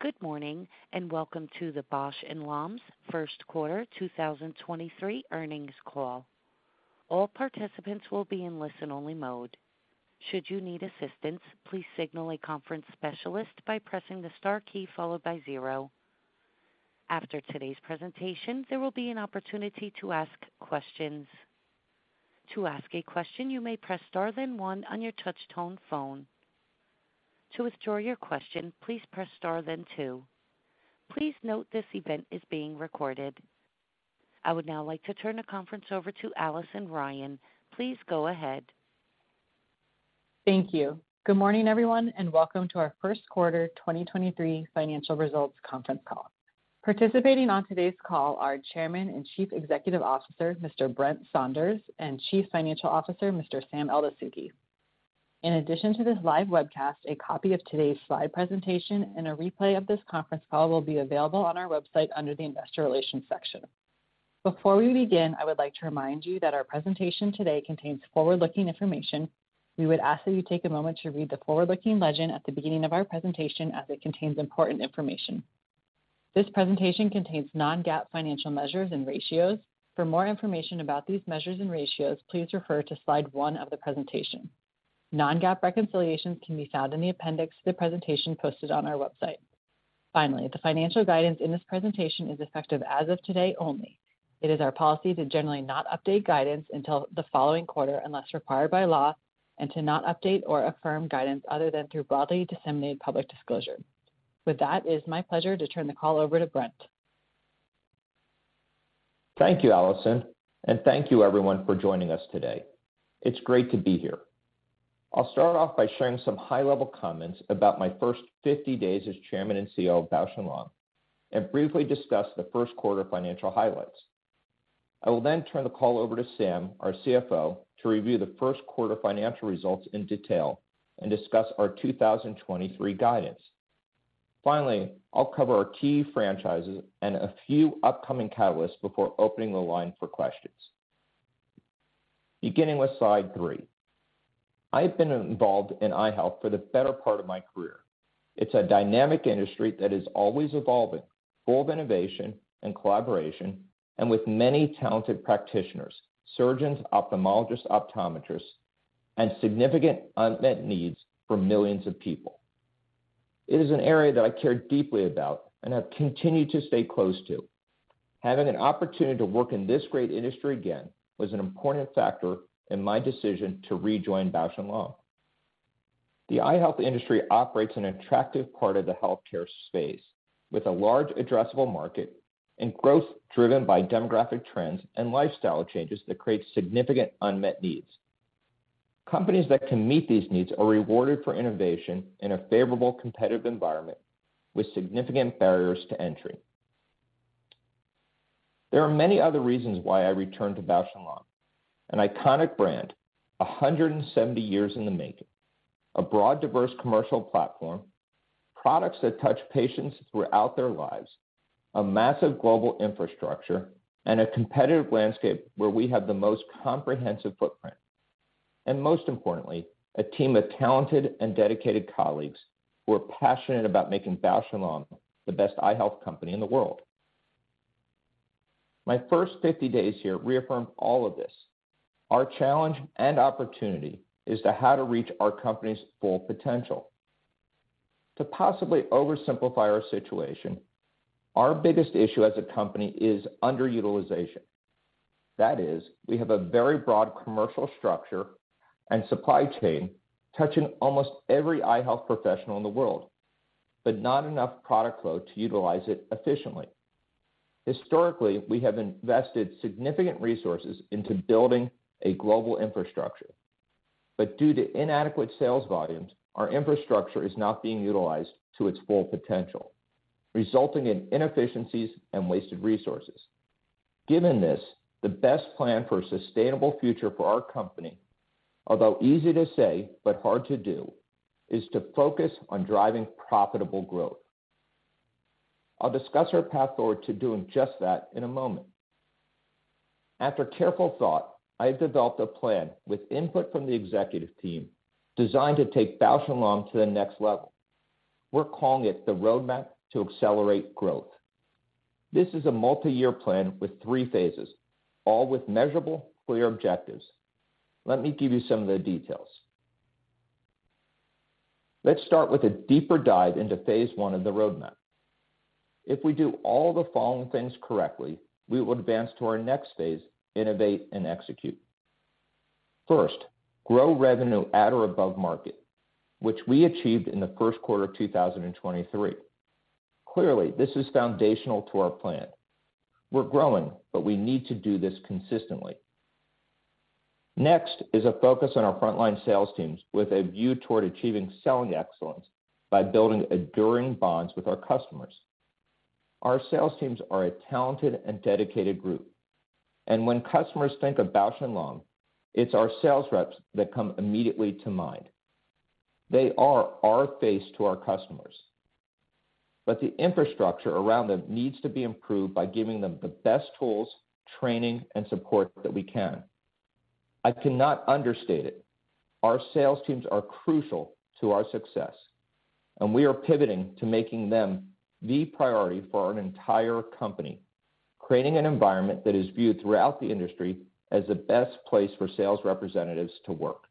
Good morning, welcome to the Bausch + Lomb's first quarter 2023 earnings call. All participants will be in listen-only mode. Should you need assistance, please signal a conference specialist by pressing the star key followed by zero. After today's presentation, there will be an opportunity to ask questions. To ask a question, you may press star then one on your touch tone phone. To withdraw your question, please press star then two. Please note this event is being recorded. I would now like to turn the conference over to Allison Ryan. Please go ahead. Thank you. Good morning, everyone, and welcome to our first quarter 2023 financial results conference call. Participating on today's call are Chairman and Chief Executive Officer, Mr. Brent Saunders, and Chief Financial Officer, Mr. Sam Eldessouky. In addition to this live webcast, a copy of today's slide presentation and a replay of this conference call will be available on our website under the Investor Relations section. Before we begin, I would like to remind you that our presentation today contains forward-looking information. We would ask that you take a moment to read the forward-looking legend at the beginning of our presentation as it contains important information. This presentation contains non-GAAP financial measures and ratios. For more information about these measures and ratios, please refer to slide one of the presentation. Non-GAAP reconciliations can be found in the appendix of the presentation posted on our website. Finally, the financial guidance in this presentation is effective as of today only. It is our policy to generally not update guidance until the following quarter unless required by law and to not update or affirm guidance other than through broadly disseminated public disclosure. With that, it's my pleasure to turn the call over to Brent. Thank you, Allison, and thank you, everyone, for joining us today. It's great to be here. I'll start off by sharing some high-level comments about my first 50 days as Chairman and Chief Executive Officer of Bausch + Lomb and briefly discuss the first quarter financial highlights. I will turn the call over to Sam, our CFO, to review the first quarter financial results in detail and discuss our 2023 guidance. Finally, I'll cover our key franchises and a few upcoming catalysts before opening the line for questions. Beginning with slide three. I've been involved in eye health for the better part of my career. It's a dynamic industry that is always evolving, full of innovation and collaboration, and, with many talented practitioners, surgeons, ophthalmologists, optometrists, and significant unmet needs for millions of people. It is an area that I care deeply about and have continued to stay close to. Having an opportunity to work in this great industry again was an important factor in my decision to rejoin Bausch + Lomb. The eye health industry operates an attractive part of the healthcare space with a large addressable market and growth driven by demographic trends and lifestyle changes that create significant unmet needs. Companies that can meet these needs are rewarded for innovation in a favorable competitive environment with significant barriers to entry. There are many other reasons why I returned to Bausch + Lomb, an iconic brand 170 years in the making, a broad, diverse commercial platform, products that touch patients throughout their lives, a massive global infrastructure, and a competitive landscape where we have the most comprehensive footprint. Most importantly, a team of talented and dedicated colleagues who are passionate about making Bausch + Lomb the best eye health company in the world. My first 50 days here reaffirmed all of this. Our challenge and opportunity is to how to reach our company's full potential. To possibly oversimplify our situation, our biggest issue as a company is underutilization. That is, we have a very broad commercial structure and supply chain touching almost every eye health professional in the world, but not enough product flow to utilize it efficiently. Historically, we have invested significant resources into building a global infrastructure, but due to inadequate sales volumes, our infrastructure is not being utilized to its full potential, resulting in inefficiencies and wasted resources. Given this, the best plan for a sustainable future for our company, although easy to say but hard to do, is to focus on driving profitable growth. I'll discuss our path forward to doing just that in a moment. After careful thought, I have developed a plan with input from the executive team designed to take Bausch + Lomb to the next level. We're calling it the roadmap to accelerate growth. This is a multi-year plan with three phases, all with measurable, clear objectives. Let me give you some of the details. Let's start with a deeper dive into phase 1 of the roadmap. If we do all the following things correctly, we will advance to our next phase, innovate and execute. First, grow revenue at or above market, which we achieved in the first quarter of 2023. Clearly, this is foundational to our plan. We're growing, but we need to do this consistently. Next is a focus on our frontline sales teams with a view toward achieving selling excellence by building enduring bonds with our customers. Our sales teams are a talented and dedicated group, and when customers think of Bausch + Lomb, it's our sales reps that come immediately to mind. They are our face to our customers. The infrastructure around them needs to be improved by giving them the best tools, training, and support that we can. I cannot understate it. Our sales teams are crucial to our success, and we are pivoting to making them the priority for our entire company, creating an environment that is viewed throughout the industry as the best place for sales representatives to work.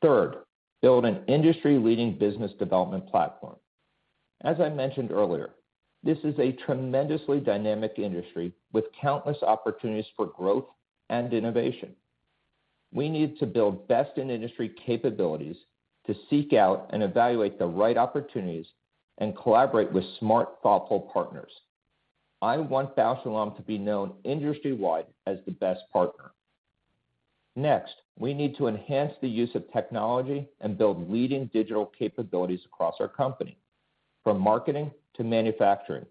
Third, build an industry-leading business development platform. As I mentioned earlier, this is a tremendously dynamic industry with countless opportunities for growth and innovation. We need to build best-in-industry capabilities to seek out and evaluate the right opportunities and collaborate with smart, thoughtful partners. I want Bausch + Lomb to be known industry-wide as the best partner. Next, we need to enhance the use of technology and build leading digital capabilities across our company, from marketing to manufacturing,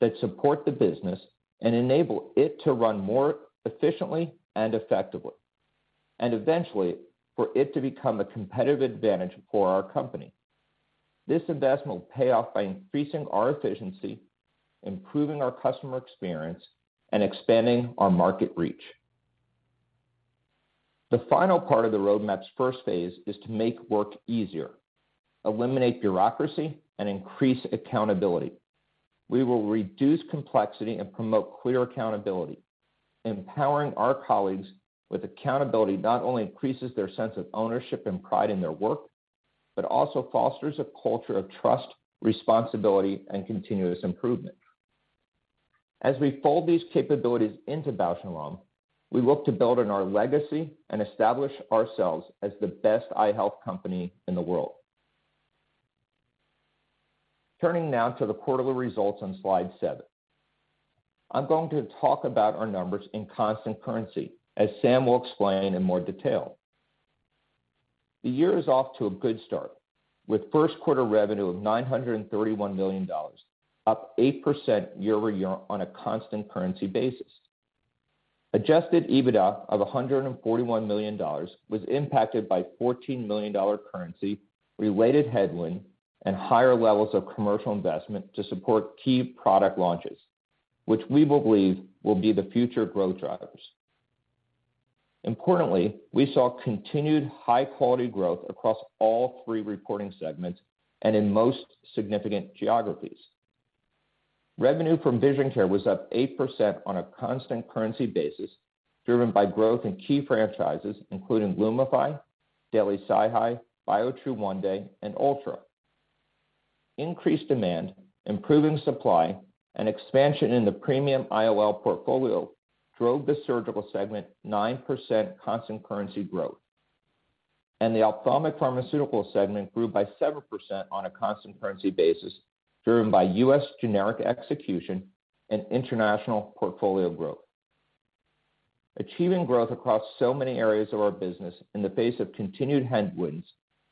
that support the business and enable it to run more efficiently and effectively, and eventually, for it to become a competitive advantage for our company. This investment will pay off by increasing our efficiency, improving our customer experience, and expanding our market reach. The final part of the roadmap's first phase is to make work easier, eliminate bureaucracy, and increase accountability. We will reduce complexity and promote clear accountability. Empowering our colleagues with accountability not only increases their sense of ownership and pride in their work, but also fosters a culture of trust, responsibility, and continuous improvement. As we fold these capabilities into Bausch + Lomb, we look to build on our legacy and establish ourselves as the best eye health company in the world. Turning now to the quarterly results on slide seven. I'm going to talk about our numbers in constant currency, as Sam will explain in more detail. The year is off to a good start, with first quarter revenue of $931 million, up 8% year-over-year on a constant currency basis. Adjusted EBITDA of $141 million was impacted by $14 million currency-related headwind and higher levels of commercial investment to support key product launches, which we believe will be the future growth drivers. Importantly, we saw continued high-quality growth across all three reporting segments and in most significant geographies. Revenue from vision care was up 8% on a constant currency basis, driven by growth in key franchises, including LUMIFY, Daily SiHy, Biotrue ONEday, and ULTRA. Increased demand, improving supply, and expansion in the premium IOL portfolio drove the surgical segment 9% constant currency growth. The Ophthalmic Pharmaceuticals segment grew by 7% on a constant currency basis, driven by U.S. generic execution and international portfolio growth. Achieving growth across so many areas of our business in the face of continued headwinds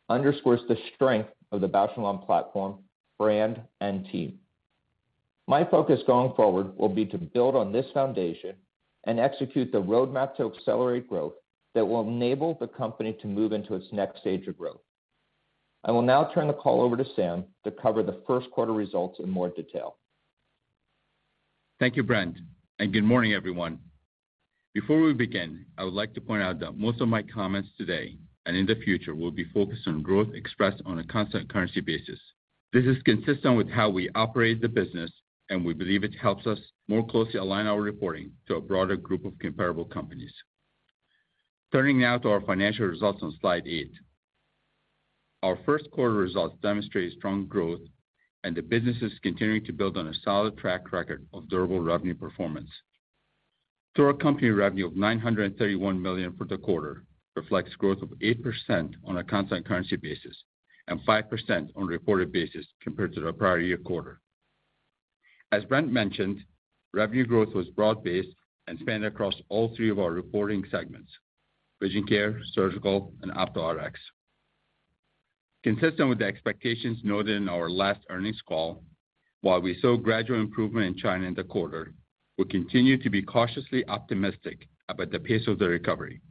underscores the strength of the Bausch + Lomb platform, brand, and team. My focus going forward will be to build on this foundation and execute the roadmap to accelerate growth that will enable the company to move into its next stage of growth. I will now turn the call over to Sam to cover the first quarter results in more detail. Thank you, Brent. Good morning, everyone. Before we begin, I would like to point out that most of my comments today and in the future will be focused on growth expressed on a constant currency basis. This is consistent with how we operate the business, and we believe it helps us more closely align our reporting to a broader group of comparable companies. Turning now to our financial results on slide eight . Our first quarter results demonstrate strong growth and the business is continuing to build on a solid track record of durable revenue performance. Total company revenue of $931 million for the quarter reflects growth of 8% on a constant currency basis, and 5% on a reported basis compared to the prior-year quarter. As Brent mentioned, revenue growth was broad-based and spanned across all three of our reporting segments: Vision Care, Surgical, and Opto RX. Consistent with the expectations noted in our last earnings call, while we saw gradual improvement in China in the quarter, we continue to be cautiously optimistic about the pace of the recovery.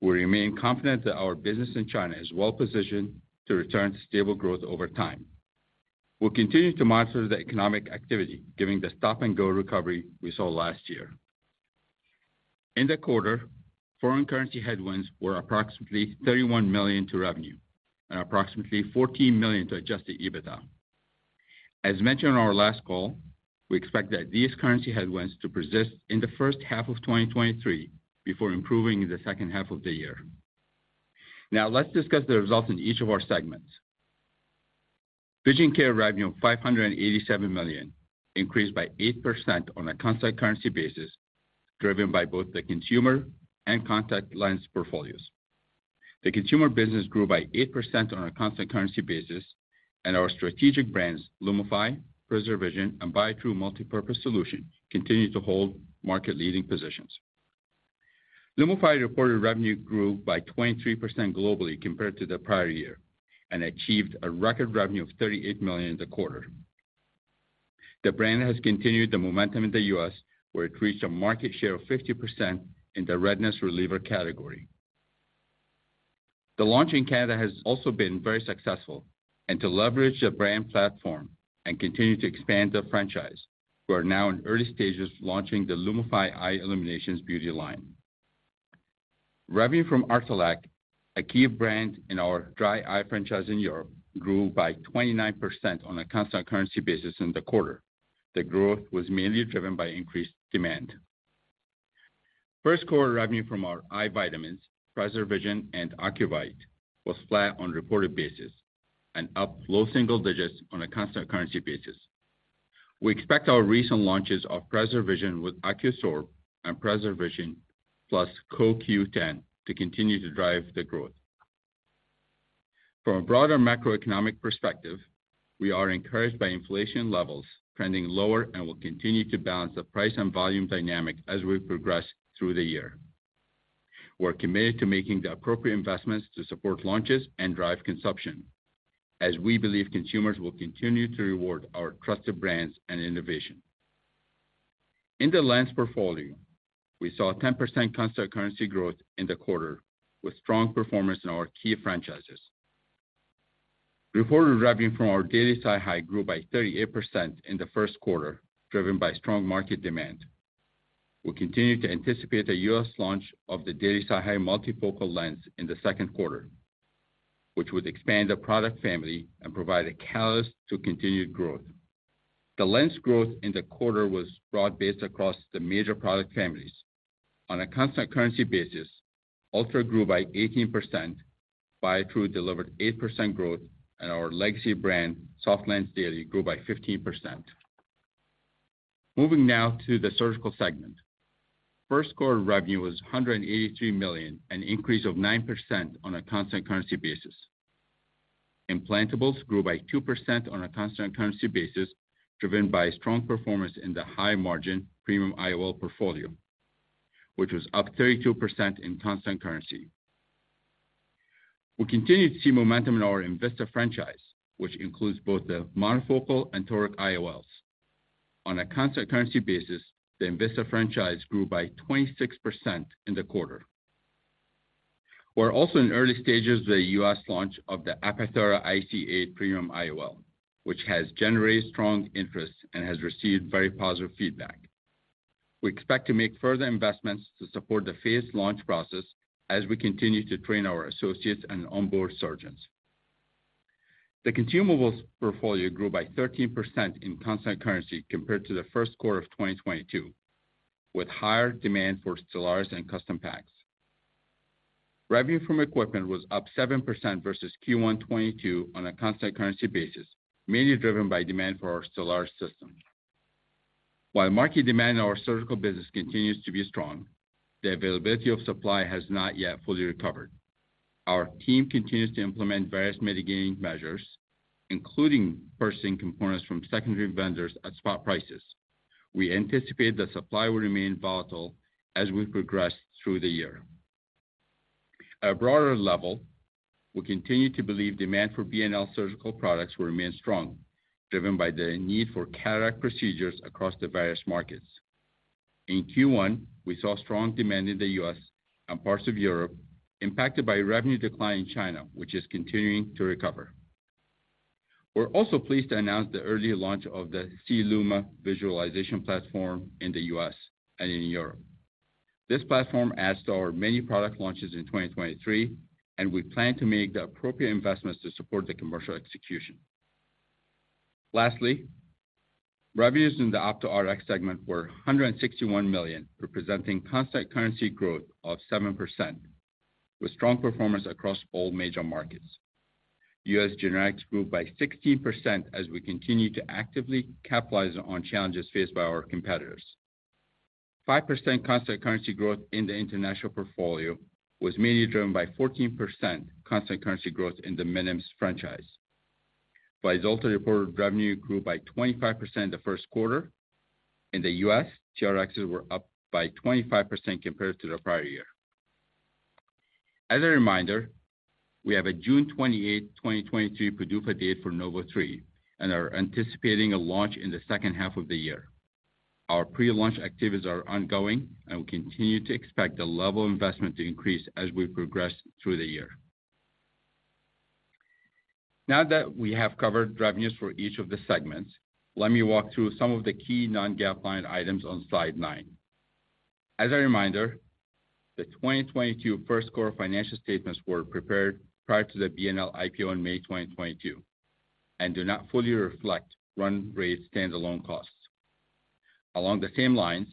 We remain confident that our business in China is well-positioned to return to stable growth over time. We'll continue to monitor the economic activity, giving the stop-and-go recovery we saw last year. In the quarter, foreign currency headwinds were approximately $31 million to revenue and approximately $14 million to Adjusted EBITDA. As mentioned on our last call, we expect that these currency headwinds to persist in the H1 of 2023, before improving in the H2 of the year. Let's discuss the results in each of our segments. Vision care revenue of $587 million increased by 8% on a constant currency basis, driven by both the consumer and contact lens portfolios. The consumer business grew by 8% on a constant currency basis, and our strategic brands, LUMIFY, PreserVision, and Biotrue Multi-Purpose Solution, continue to hold market-leading positions. LUMIFY reported revenue grew by 23% globally compared to the prior year and achieved a record revenue of $38 million in the quarter. The brand has continued the momentum in the U.S., where it reached a market share of 50% in the redness reliever category. The launch in Canada has also been very successful and to leverage the brand platform and continue to expand the franchise. We are now in early stages of launching the LUMIFY EYE ILLUMINATIONS beauty line. Revenue from Artelac, a key brand in our dry eye franchise in Europe, grew by 29% on a constant currency basis in the quarter. The growth was mainly driven by increased demand. First quarter revenue from our eye vitamins, PreserVision and Ocuvite, was flat on a reported basis and up low single digits on a constant currency basis. We expect our recent launches of PreserVision with OCUSorb and PreserVision plus CoQ10 to continue to drive the growth. From a broader macroeconomic perspective, we are encouraged by inflation levels trending lower and will continue to balance the price and volume dynamic as we progress through the year. We are committed to making the appropriate investments to support launches and drive consumption as we believe consumers will continue to reward our trusted brands and innovation. In the lens portfolio, we saw a 10% constant currency growth in the quarter with strong performance in our key franchises. Reported revenue from our Daily SiHy grew by 38% in the first quarter, driven by strong market demand. We continue to anticipate the U.S. launch of the Daily SiHy multifocal lens in the second quarter, which would expand the product family and provide a catalyst to continued growth. The lens growth in the quarter was broad-based across the major product families. On a constant currency basis, ULTRA grew by 18%, Biotrue delivered 8% growth, our legacy brand, SofLens Daily, grew by 15%. Moving now to the surgical segment. First quarter revenue was $183 million, an increase of 9% on a constant currency basis. Implantables grew by 2% on a constant currency basis, driven by strong performance in the high margin premium IOL portfolio, which was up 32% in constant currency. We continue to see momentum in our enVista franchise, which includes both the monofocal and toric IOLs. On a constant currency basis, the enVista franchise grew by 26% in the quarter. We're also in early stages of the U.S. launch of the IC-8 Apthera premium IOL, which has generated strong interest and has received very positive feedback. We expect to make further investments to support the phased launch process as we continue to train our associates and onboard surgeons. The consumables portfolio grew by 13% in constant currency compared to the first quarter of 2022, with higher demand for Stellaris and custom packs. Revenue from equipment was up 7% versus Q1 2022 on a constant currency basis, mainly driven by demand for our Stellaris system. While market demand in our surgical business continues to be strong, the availability of supply has not yet fully recovered. Our team continues to implement various mitigating measures, including purchasing components from secondary vendors at spot prices. We anticipate that supply will remain volatile as we progress through the year. At a broader level, we continue to believe demand for B&L surgical products will remain strong, driven by the need for cataract procedures across the various markets. In Q1, we saw strong demand in the U.S. and parts of Europe impacted by revenue decline in China, which is continuing to recover. We are also pleased to announce the early launch of the SeeLuma visualization platform in the U.S. and in Europe. This platform adds to our many product launches in 2023. We plan to make the appropriate investments to support the commercial execution. Lastly, revenues in the opto RX segment were $161 million, representing constant currency growth of 7%, with strong performance across all major markets. U.S. generics grew by 16% as we continue to actively capitalize on challenges faced by our competitors. 5% constant currency growth in the international portfolio was mainly driven by 14% constant currency growth in the Minims franchise. VYZULTA reported revenue grew by 25% in the first quarter. In the US, TRXs were up by 25% compared to the prior year. As a reminder, we have a June 28, 2023 PDUFA date for NOV03 and are anticipating a launch in the H2 of the year. Our pre-launch activities are ongoing, and we continue to expect the level of investment to increase as we progress through the year. Now that we have covered revenues for each of the segments, let me walk through some of the key non-GAAP line items on slide 9. As a reminder, the 2022 first quarter financial statements were prepared prior to the B&L IPO in May 2022 and do not fully reflect run rate standalone costs. Along the same lines,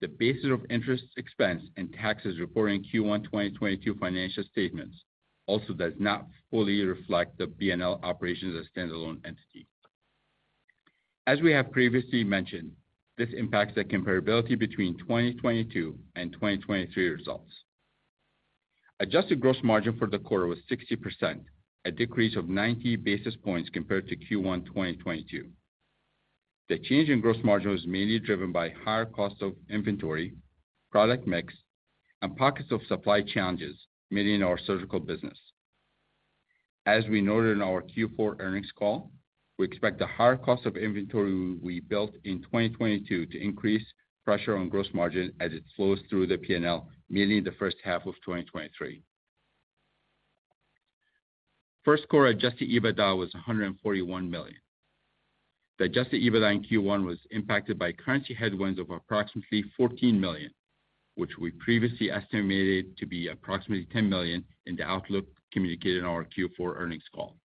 the basis of interest expense and taxes reported in Q1 2022 financial statements also does not fully reflect the B&L operation as a standalone entity. As we have previously mentioned, this impacts the comparability between 2022 and 2023 results. Adjusted gross margin for the quarter was 60%, a decrease of 90 basis points compared to Q1 2022. The change in gross margin was mainly driven by higher cost of inventory, product mix, and pockets of supply challenges, mainly in our surgical business. As we noted in our Q4 earnings call, we expect the higher cost of inventory we built in 2022 to increase pressure on gross margin as it flows through the P&L, mainly in the H1 of 2023. First quarter Adjusted EBITDA was $141 million. The Adjusted EBITDA in Q1 was impacted by currency headwinds of approximately $14 million, which we previously estimated to be approximately $10 million in the outlook communicated in our Q4 earnings call.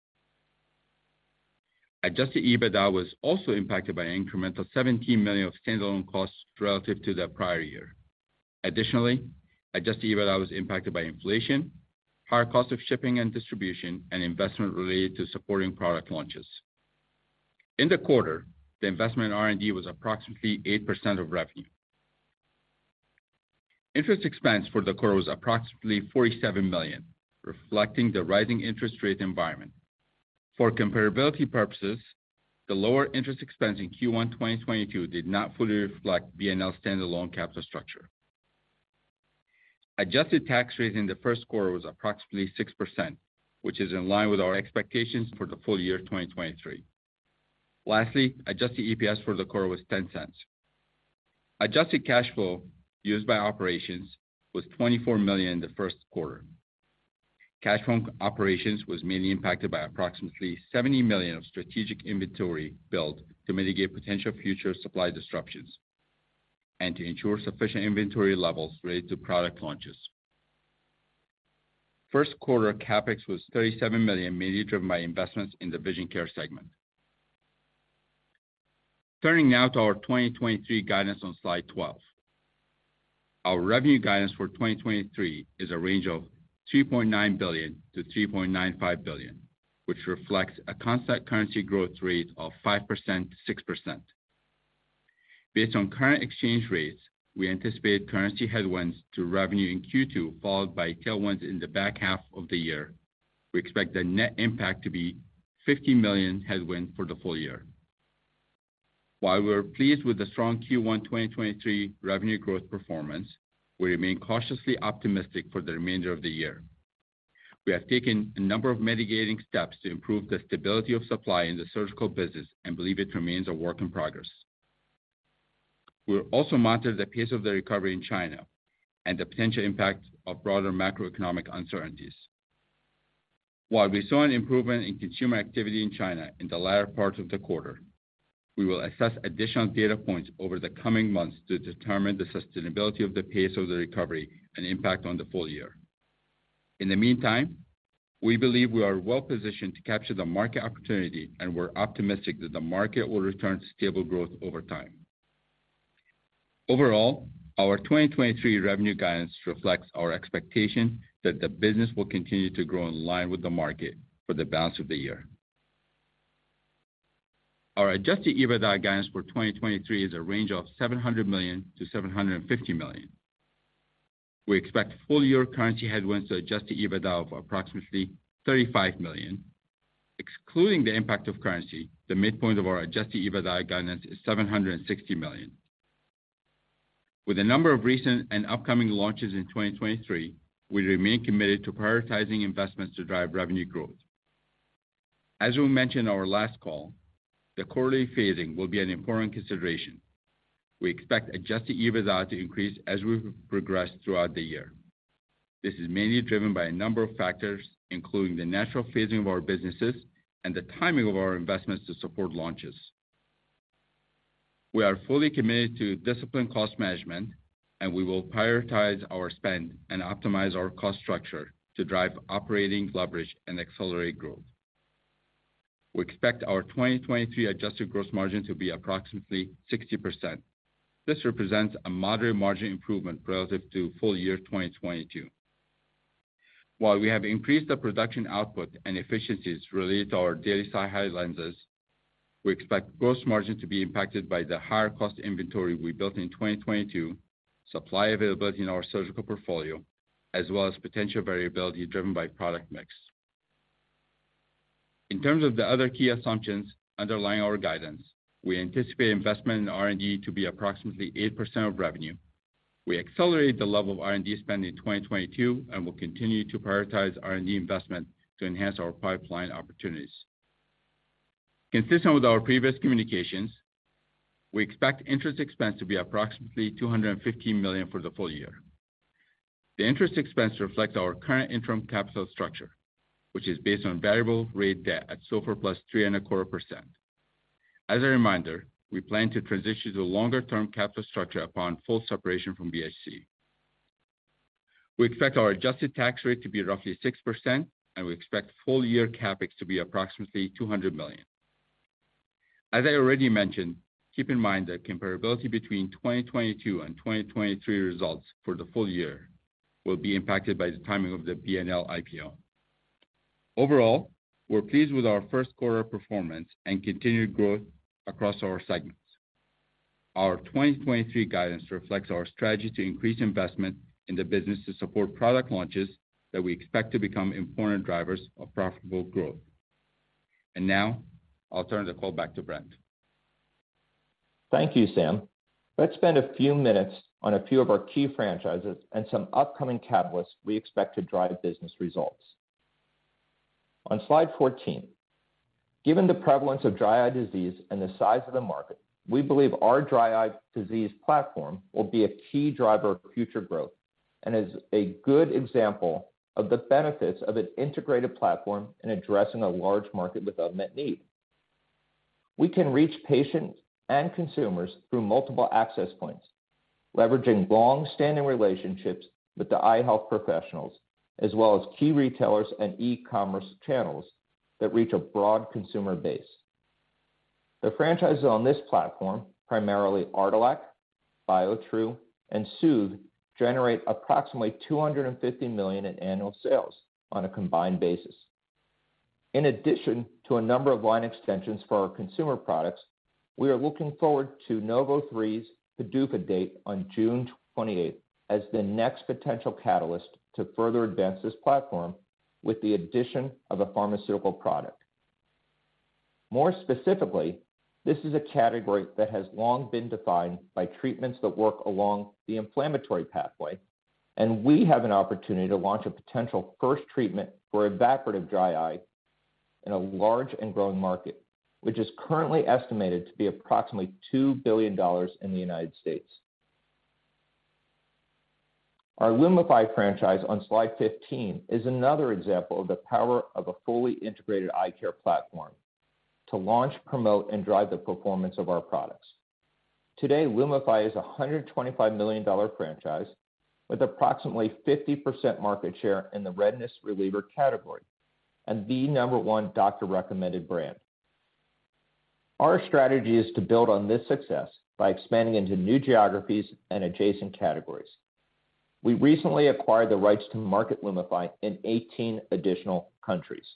Adjusted EBITDA was also impacted by an incremental $17 million of standalone costs relative to the prior year. Additionally, Adjusted EBITDA was impacted by inflation, higher cost of shipping and distribution, and investment related to supporting product launches. In the quarter, the investment in R&D was approximately 8% of revenue. Interest expense for the quarter was approximately $47 million, reflecting the rising interest rate environment. For comparability purposes, the lower interest expense in Q1 2022 did not fully reflect B+L standalone capital structure. Adjusted tax rate in the first quarter was approximately 6%, which is in line with our expectations for the full year 2023. Lastly, Adjusted EPS for the quarter was $0.10. Adjusted cash flow used by operations was $24 million in the first quarter. Cash from operations was mainly impacted by approximately $70 million of strategic inventory build to mitigate potential future supply disruptions and to ensure sufficient inventory levels related to product launches. First quarter CapEx was $37 million, mainly driven by investments in the vision care segment. Turning now to our 2023 guidance on slide 12. Our revenue guidance for 2023 is a range of $3.9 billion-$3.95 billion, which reflects a constant currency growth rate of 5%-6%. Based on current exchange rates, we anticipate currency headwinds to revenue in Q2, followed by tailwinds in the back half of the year. We expect the net impact to be $50 million headwind for the full year. While we're pleased with the strong Q1 2023 revenue growth performance, we remain cautiously optimistic for the remainder of the year. We have taken a number of mitigating steps to improve the stability of supply in the surgical business and believe it remains a work in progress. We'll also monitor the pace of the recovery in China and the potential impact of broader macroeconomic uncertainties. While we saw an improvement in consumer activity in China in the latter part of the quarter, we will assess additional data points over the coming months to determine the sustainability of the pace of the recovery and impact on the full year. In the meantime, we believe we are well-positioned to capture the market opportunity, and we're optimistic that the market will return to stable growth over time. Our 2023 revenue guidance reflects our expectation that the business will continue to grow in line with the market for the balance of the year. Our Adjusted EBITDA guidance for 2023 is a range of $700 million-$750 million. We expect full-year currency headwinds to Adjusted EBITDA of approximately $35 million. Excluding the impact of currency, the midpoint of our Adjusted EBITDA guidance is $760 million. With a number of recent and upcoming launches in 2023, we remain committed to prioritizing investments to drive revenue growth. As we mentioned in our last call, the quarterly phasing will be an important consideration. We expect Adjusted EBITDA to increase as we progress throughout the year. This is mainly driven by a number of factors, including the natural phasing of our businesses and the timing of our investments to support launches. We are fully committed to disciplined cost management. We will prioritize our spend and optimize our cost structure to drive operating leverage and accelerate growth. We expect our 2023 adjusted gross margin to be approximately 60%. This represents a moderate margin improvement relative to full year 2022. While we have increased the production output and efficiencies related to our Daily SiHy lenses, we expect gross margin to be impacted by the higher cost inventory we built in 2022, supply availability in our surgical portfolio, as well as potential variability driven by product mix. In terms of the other key assumptions underlying our guidance, we anticipate investment in R&D to be approximately 8% of revenue. We accelerated the level of R&D spend in 2022 and will continue to prioritize R&D investment to enhance our pipeline opportunities. Consistent with our previous communications, we expect interest expense to be approximately $215 million for the full year. The interest expense reflects our current interim capital structure, which is based on variable rate debt at SOFR plus three and a quarter %. As a reminder, we plan to transition to a longer-term capital structure upon full separation from BHC. We expect our adjusted tax rate to be roughly 6%, and we expect full-year CapEx to be approximately $200 million. As I already mentioned, keep in mind that comparability between 2022 and 2023 results for the full year will be impacted by the timing of the BNL IPO. Overall, we're pleased with our first quarter performance and continued growth across our segments. Our 2023 guidance reflects our strategy to increase investment in the business to support product launches that we expect to become important drivers of profitable growth. Now I'll turn the call back to Brent. Thank you, Sam. Let's spend a few minutes on a few of our key franchises and some upcoming catalysts we expect to drive business results. On slide 14, given the prevalence of dry eye disease and the size of the market, we believe our dry eye disease platform will be a key driver of future growth and is a good example of the benefits of an integrated platform in addressing a large market development need. We can reach patients and consumers through multiple access points, leveraging long-standing relationships with the eye health professionals as well as key retailers and e-commerce channels that reach a broad consumer base. The franchises on this platform, primarily Artelac, Biotrue and Soothe, generate approximately $250 million in annual sales on a combined basis. In addition to a number of line extensions for our consumer products, we are looking forward to NOV03's PDUFA date on June 28th as the next potential catalyst to further advance this platform with the addition of a pharmaceutical product. More specifically, this is a category that has long been defined by treatments that work along the inflammatory pathway, and we have an opportunity to launch a potential first treatment for evaporative dry eye in a large and growing market, which is currently estimated to be approximately $2 billion in the United States. Our LUMIFY franchise on slide 15 is another example of the power of a fully integrated eye care platform to launch, promote, and drive the performance of our products. Today, LUMIFY is a $125 million franchise with approximately 50% market share in the redness reliever category and the number one doctor-recommended brand. Our strategy is to build on this success by expanding into new geographies and adjacent categories. We recently acquired the rights to market LUMIFY in 18 additional countries.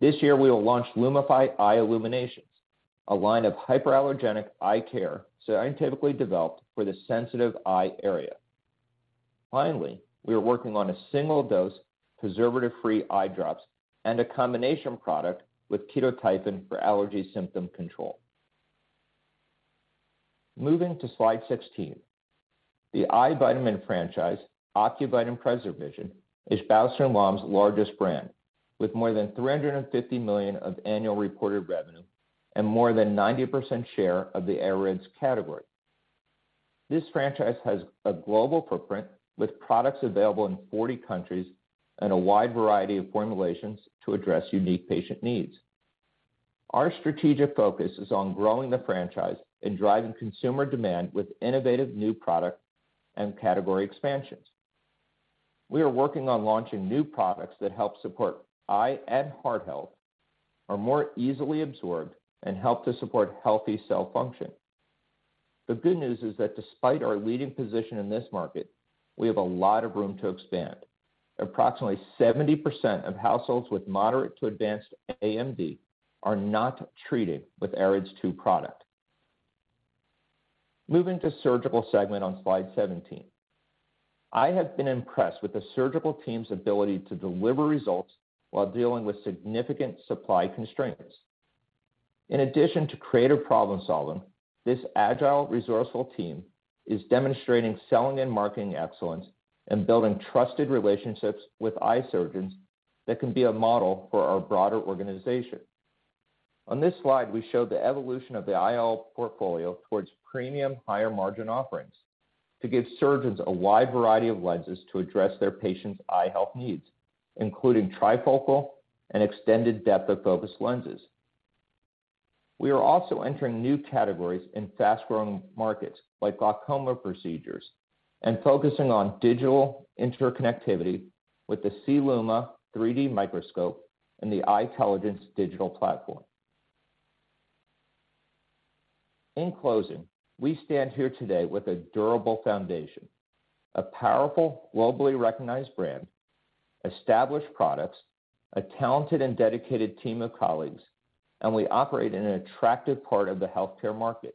This year, we will launch LUMIFY EYE ILLUMINATIONS, a line of hypoallergenic eye care scientifically developed for the sensitive eye area. Finally, we are working on a single-dose preservative-free eye drops and a combination product with ketotifen for allergy symptom control. Moving to slide 16, the eye vitamin franchise, Ocuvite and PreserVision, is Bausch + Lomb's largest brand with more than $350 million of annual reported revenue and more than 90% share of the AREDS category. This franchise has a global footprint with products available in 40 countries and a wide variety of formulations to address unique patient needs. Our strategic focus is on growing the franchise and driving consumer demand with innovative new product and category expansions. We are working on launching new products that help support eye and heart health, are more easily absorbed, and help to support healthy cell function. The good news is that despite our leading position in this market, we have a lot of room to expand. Approximately 70% of households with moderate to advanced AMD are not treated with AREDS 2 product. Moving to surgical segment on slide 17. I have been impressed with the surgical team's ability to deliver results while dealing with significant supply constraints. In addition to creative problem-solving, this agile, resourceful team is demonstrating selling and marketing excellence and building trusted relationships with eye surgeons that can be a model for our broader organization. On this slide, we show the evolution of the IOL portfolio towards premium higher margin offerings to give surgeons a wide variety of lenses to address their patients' eye health needs, including trifocal and extended depth of focus lenses. We are also entering new categories in fast-growing markets like glaucoma procedures and focusing on digital interconnectivity with the SeeLuma 3D microscope and the Eyetelligence digital platform. In closing, we stand here today with a durable foundation, a powerful, globally recognized brand, established products, a talented and dedicated team of colleagues, and we operate in an attractive part of the healthcare market.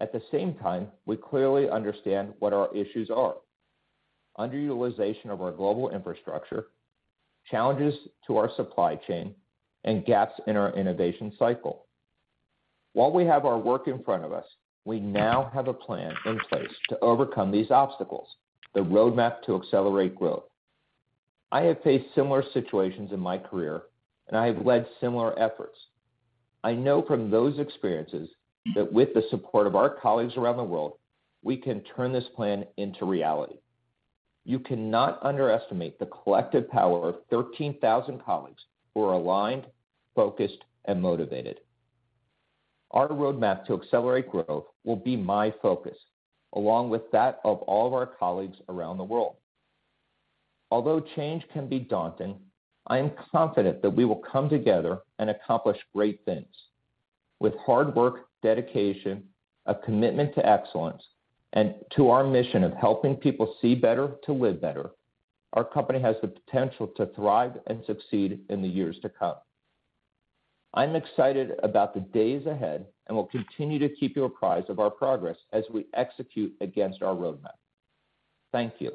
At the same time, we clearly understand what our issues are. Underutilization of our global infrastructure, challenges to our supply chain, and gaps in our innovation cycle. While we have our work in front of us, we now have a plan in place to overcome these obstacles, the roadmap to accelerate growth. I have faced similar situations in my career, and I have led similar efforts. I know from those experiences that with the support of our colleagues around the world, we can turn this plan into reality. You cannot underestimate the collective power of 13,000 colleagues who are aligned, focused, and motivated. Our roadmap to accelerate growth will be my focus, along with that of all of our colleagues around the world. Although change can be daunting, I am confident that we will come together and accomplish great things. With hard work, dedication, a commitment to excellence, and to our mission of helping people see better to live better, our company has the potential to thrive and succeed in the years to come. I'm excited about the days ahead, and will continue to keep you apprised of our progress as we execute against our roadmap. Thank you.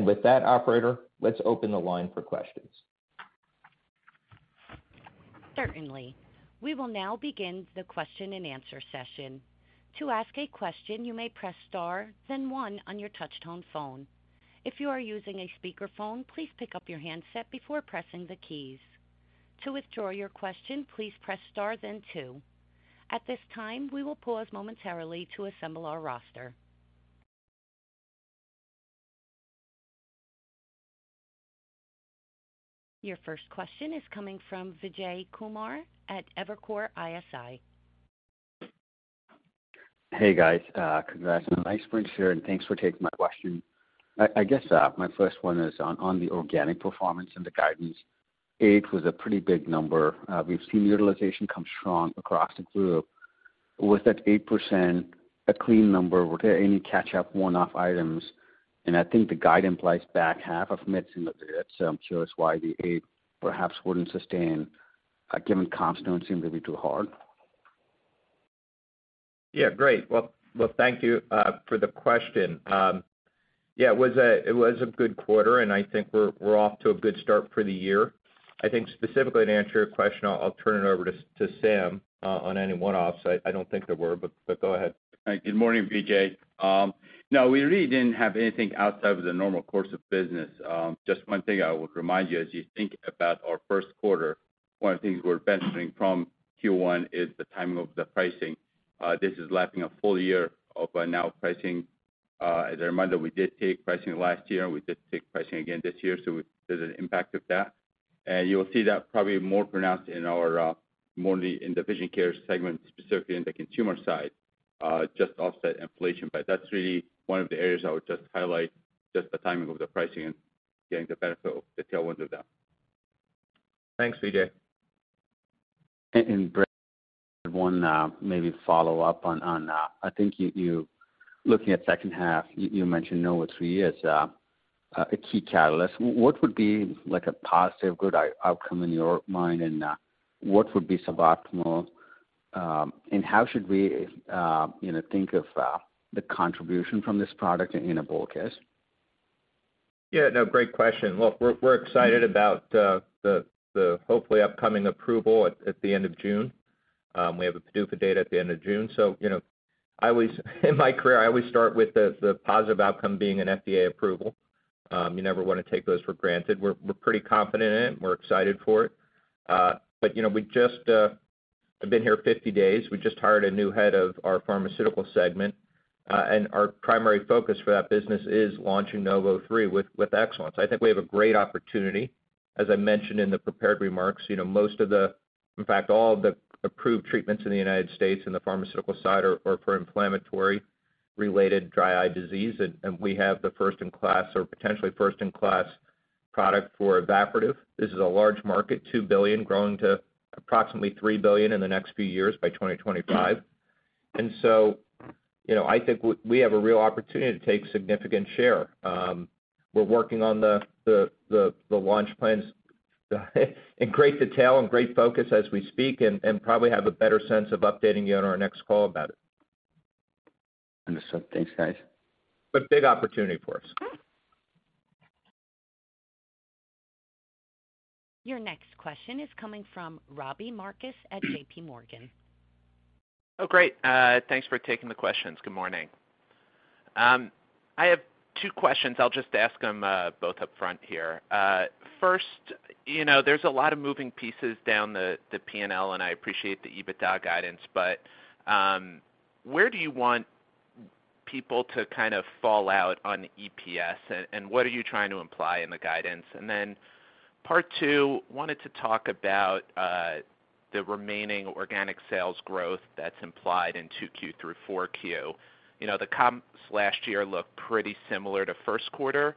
With that, operator, let's open the line for questions. Certainly. We will now begin the question-and-answer session. To ask a question, you may press star, then one on your touch-tone phone. If you are using a speakerphone, please pick up your handset before pressing the keys. To withdraw your question, please press star then two. At this time, we will pause momentarily to assemble our roster. Your first question is coming from Vijay Kumar at Evercore ISI. Hey, guys. Congrats on nice sprints here, thanks for taking my question. I guess my first one is on the organic performance and the guidance. 8 was a pretty big number. We've seen utilization come strong across the group. Was that 8% a clean number? Were there any catch-up one-off items? I think the guide implies back half of mixing of this, so I'm curious why the eight perhaps wouldn't sustain given comps don't seem to be too hard. Yeah, great. Well, thank you for the question. Yeah, it was a good quarter, and I think we're off to a good start for the year. I think specifically to answer your question, I'll turn it over to Sam Eldessouky on any one-offs. I don't think there were, but go ahead. Hi. Good morning, Vijay. No, we really didn't have anything outside of the normal course of business. Just one thing I would remind you as you think about our first quarter, one of the things we're benefiting from Q1 is the timing of the pricing. This is lacking a full year of now pricing. As a reminder, we did take pricing last year, and we did take pricing again this year, so there's an impact of that. You'll see that probably more pronounced in our more in the vision care segment, specifically in the consumer side, just offset inflation. That's really one of the areas I would just highlight, just the timing of the pricing and getting the benefit of the tailwinds of that. Thanks, Vijay. Brent, one, maybe follow-up on, I think you looking at H2, you mentioned NOV03 as a key catalyst. What would be like a positive, good outcome in your mind, and what would be suboptimal? How should we, you know, think of the contribution from this product in a bull case? No, great question. Look, we're excited about the hopefully upcoming approval at the end of June. We have a PDUFA date at the end of June. You know, in my career, I always start with the positive outcome being an FDA approval. You never wanna take those for granted. We're pretty confident in it. We're excited for it. You know, we just, I've been here 50 days. We just hired a new head of our pharmaceutical segment, our primary focus for that business is launching NOV03 with excellence. I think we have a great opportunity. As I mentioned in the prepared remarks, you know, most of the, in fact, all of the approved treatments in the United States in the pharmaceutical side are for inflammatory-related dry eye disease. We have the first in class or potentially first in class product for evaporative. This is a large market, $2 billion, growing to approximately $3 billion in the next few years by 2025. you know, I think we have a real opportunity to take significant share. We're working on the launch plans in great detail and great focus as we speak and probably have a better sense of updating you on our next call about it. Understood. Thanks, guys. Big opportunity for us. Your next question is coming from Robbie Marcus at JPMorgan. Oh, great. Thanks for taking the questions. Good morning. I have two questions. I'll just ask them both upfront here. First, you know, there's a lot of moving pieces down the P&L, and I appreciate the EBITDA guidance. Where do you want people to kind of fall out on EPS, and what are you trying to imply in the guidance? Part two, wanted to talk about the remaining organic sales growth that's implied in 2Q through 4Q. You know, the comps last year looked pretty similar to first quarter.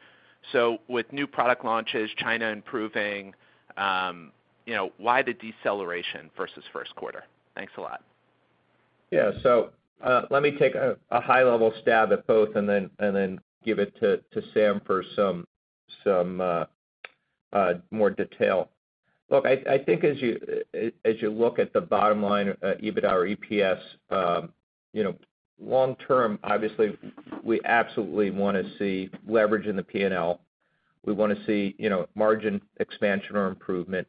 With new product launches, China improving, you know, why the deceleration versus first quarter? Thanks a lot. Let me take a high-level stab at both and then give it to Sam for some more detail. I think as you look at the bottom line, EBITDA or EPS, you know, long term, obviously we absolutely wanna see leverage in the P&L. We wanna see, you know, margin expansion or improvement,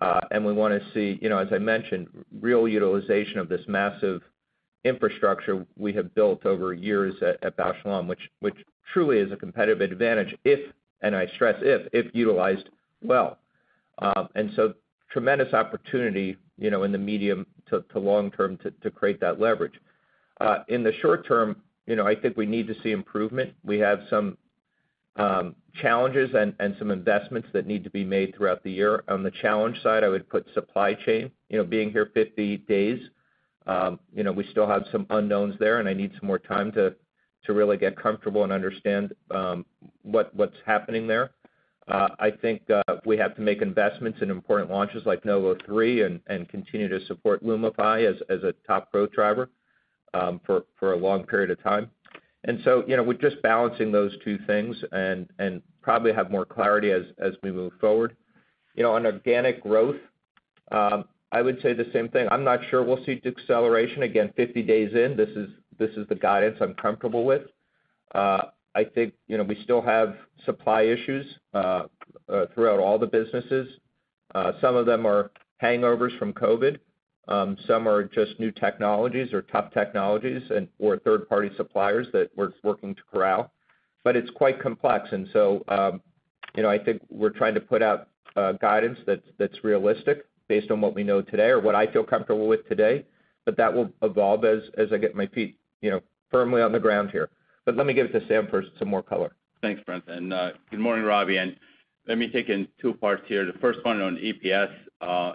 and we wanna see, you know, as I mentioned, real utilization of this massive infrastructure we have built over years at Bausch + Lomb, which truly is a competitive advantage if, and I stress if, utilized well. Tremendous opportunity, you know, in the medium to long term to create that leverage. In the short term, you know, I think we need to see improvement. We have some challenges and some investments that need to be made throughout the year. On the challenge side, I would put supply chain. You know, being here 50 days, you know, we still have some unknowns there, and I need some more time to really get comfortable and understand what's happening there. I think we have to make investments in important launches like NOV03 and continue to support LUMIFY as a top growth driver for a long period of time. You know, we're just balancing those two things and probably have more clarity as we move forward. You know, on organic growth, I would say the same thing. I'm not sure we'll see deceleration. Again, 50 days in, this is the guidance I'm comfortable with. I think, you know, we still have supply issues throughout all the businesses. Some of them are hangovers from COVID. Some are just new technologies or tough technologies or third-party suppliers that we're working to corral. It's quite complex. You know, I think we're trying to put out guidance that's realistic based on what we know today or what I feel comfortable with today. That will evolve as I get my feet, you know, firmly on the ground here. Let me give it to Sam for some more color. Thanks, Brent. Good morning, Robbie. Let me take in two parts here. The first one on EPS.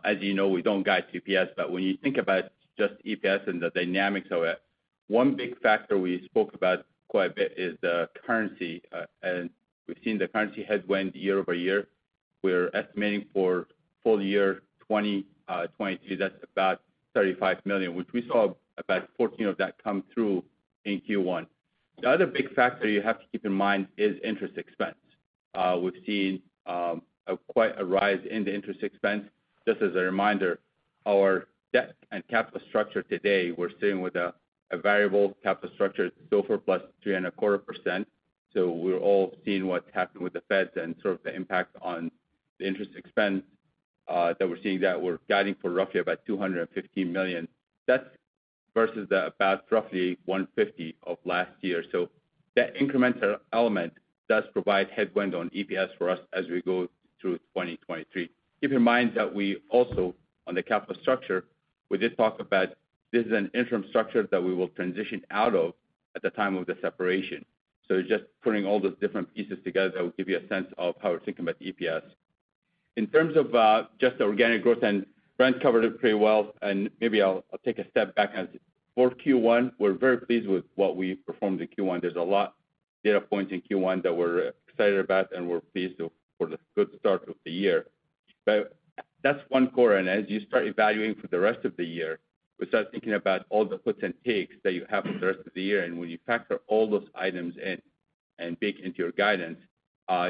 As you know, we don't guide to EPS, but when you think about just EPS and the dynamics of it, one big factor we spoke about quite a bit is the currency. And we've seen the currency headwind year-over-year. We're estimating for full year 2022, that's about $35 million, which we saw about $14 million of that come through in Q1. The other big factor you have to keep in mind is interest expense. We've seen a quite a rise in the interest expense. Just as a reminder, our debt and capital structure today, we're sitting with a variable capital structure, SOFR plus 3.25%. We're all seeing what's happened with the Fed and sort of the impact on the interest expense that we're seeing that we're guiding for roughly about $250 million. That's versus about roughly $150 million of last year. That incremental element does provide headwind on EPS for us as we go through 2023. Keep in mind that we also, on the capital structure, we did talk about this is an interim structure that we will transition out of at the time of the separation. Just putting all those different pieces together that will give you a sense of how we're thinking about EPS. In terms of just the organic growth, and Brent covered it pretty well, and maybe I'll take a step back. As for Q1, we're very pleased with what we performed in Q1. There's a lot data points in Q1 that we're excited about. We're pleased for the good start of the year. That's one quarter. As you start evaluating for the rest of the year, we start thinking about all the puts and takes that you have for the rest of the year. When you factor all those items in and bake into your guidance,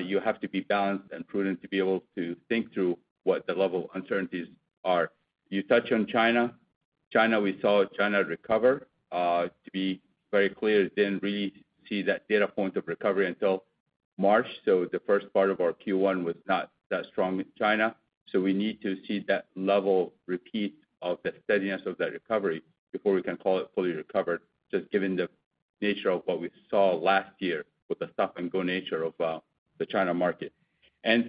you have to be balanced and prudent to be able to think through what the level of uncertainties are. You touched on China. China, we saw China recover. To be very clear, didn't really see that data point of recovery until March. The first part of our Q1 was not that strong with China. We need to see that level repeat of the steadiness of that recovery before we can call it fully recovered, just given the nature of what we saw last year with the stop-and-go nature of the China market.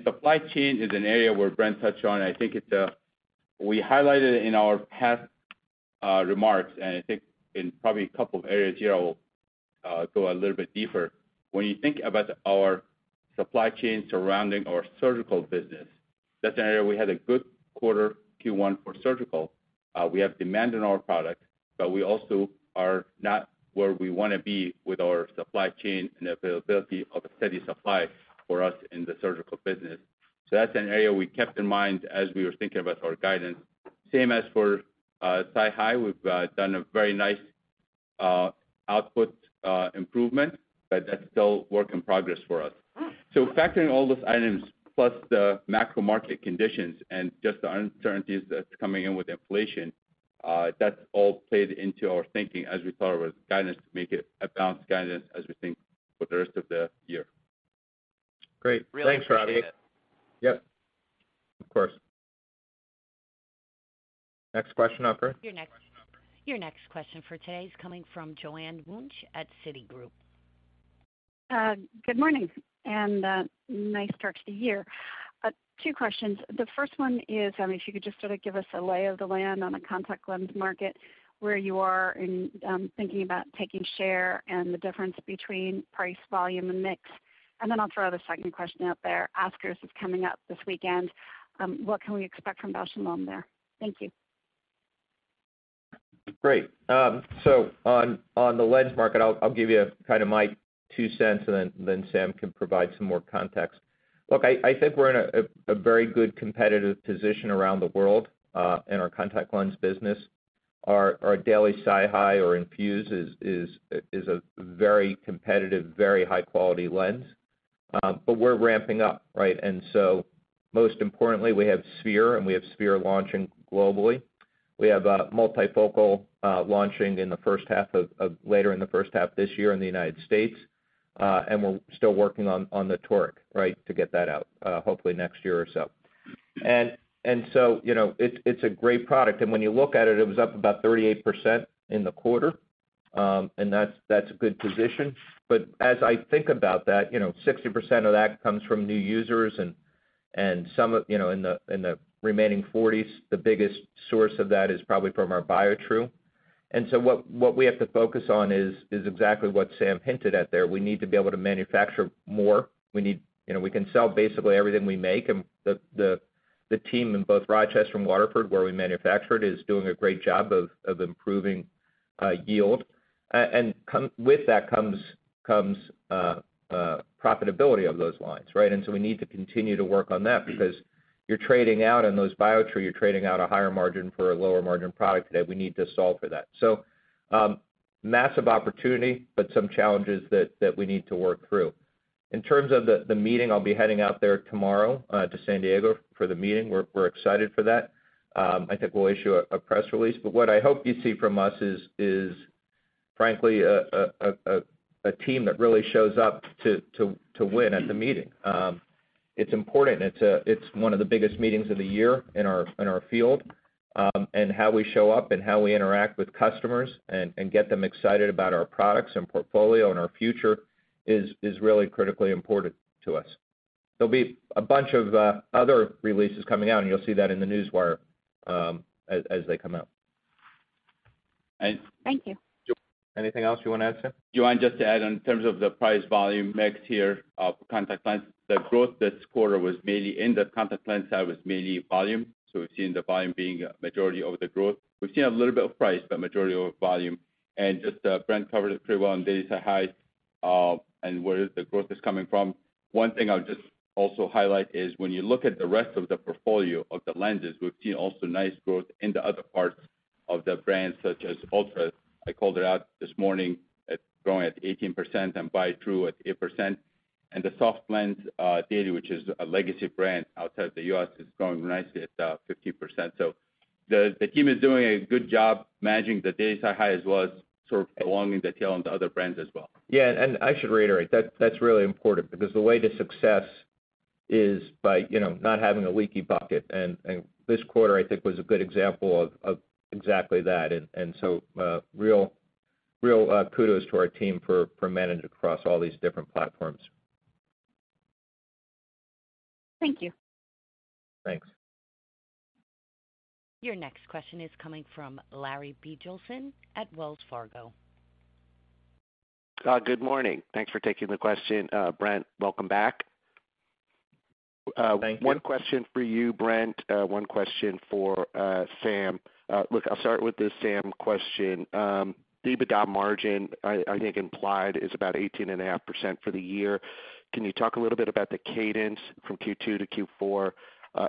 Supply chain is an area where Brent touched on. We highlighted in our past remarks, and I think in probably a couple of areas here, I'll go a little bit deeper. When you think about our supply chain surrounding our surgical business, that's an area we had a good quarter Q1 for surgical. We have demand in our product, but we also are not where we wanna be with our supply chain and availability of a steady supply for us in the surgical business. That's an area we kept in mind as we were thinking about our guidance. Same as for CIHI. We've done a very nice output improvement, but that's still work in progress for us. Factoring all those items plus the macro market conditions and just the uncertainties that's coming in with inflation, that's all played into our thinking as we thought about guidance to make it a balanced guidance as we think for the rest of the year. Great. Thanks, Robbie. Really appreciate it. Yep. Of course. Next question operator. Your next question for today is coming from Joanne Wuensch at Citigroup. Good morning, and nice start to the year. Two questions. The first one is, I mean, if you could just sort of give us a lay of the land on the contact lens market, where you are in thinking about taking share and the difference between price, volume, and mix. Then I'll throw the second question out there. ASCRS is coming up this weekend. What can we expect from Bausch + Lomb there? Thank you. Great. On the lens market, I'll give you kind of my two cents and then Sam can provide some more context. Look, I think we're in a very good competitive position around the world in our contact lens business. Our Daily SiHy or INFUSE is a very competitive, very high-quality lens. We're ramping up, right? Most importantly, we have sphere launching globally. We have multifocal launching in the H1 of later in the H1 this year in the U.S. We're still working on the torque, right, to get that out hopefully next year or so. You know, it's a great product. When you look at it was up about 38% in the quarter. That's a good position. As I think about that, you know, 60% of that comes from new users and some of, you know, in the remaining 40, the biggest source of that is probably from our Biotrue. What we have to focus on is exactly what Sam hinted at there. We need to be able to manufacture more. We need, you know, we can sell basically everything we make, and the team in both Rochester and Waterford, where we manufacture it, is doing a great job of improving yield. And with that comes profitability of those lines, right? We need to continue to work on that because you're trading out on those Biotrue, you're trading out a higher margin for a lower margin product that we need to solve for that. Massive opportunity, but some challenges that we need to work through. In terms of the meeting, I'll be heading out there tomorrow to San Diego for the meeting. We're excited for that. I think we'll issue a press release. What I hope you see from us is frankly a team that really shows up to win at the meeting. It's important. It's one of the biggest meetings of the year in our field. How we show up and how we interact with customers and get them excited about our products and portfolio and our future is really critically important to us. There'll be a bunch of other releases coming out, and you'll see that in the newswire, as they come out. Thank you. Anything else you wanna add, Sam? Joanne, just to add on in terms of the price volume mix here of contact lens. The growth this quarter was mainly in the contact lens side was mainly volume. We've seen the volume being a majority of the growth. We've seen a little bit of price, but majority of volume. Just Brent covered it pretty well on Daily SiHy and where the growth is coming from. One thing I'll just also highlight is when you look at the rest of the portfolio of the lenses, we've seen also nice growth in the other parts of the brand, such as ULTRA. I called it out this morning. It's growing at 18% and Biotrue at 8%. The SofLens Daily, which is a legacy brand outside the U.S. is growing nicely at 15%. The team is doing a good job managing the Daily SiHy as well as sort of belonging detail on the other brands as well. Yeah, I should reiterate, that's really important because the way to success is by, you know, not having a leaky bucket. This quarter, I think, was a good example of exactly that. So, real kudos to our team for managing across all these different platforms. Thank you. Thanks. Your next question is coming from Larry Biegelsen at Wells Fargo. Good morning. Thanks for taking the question. Brent, welcome back. Thank you. One question for you, Brent. One question for Sam. Look, I'll start with the Sam question. EBITDA margin, I think, implied is about 18.5% for the year. Can you talk a little bit about the cadence from Q2 to Q4